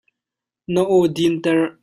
Na aw din ter.